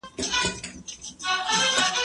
مځکه د بزګر له خوا کرل کيږي،